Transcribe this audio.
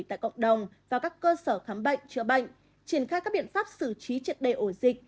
tại cộng đồng và các cơ sở khám bệnh chữa bệnh triển khai các biện pháp xử trí triệt đề ổ dịch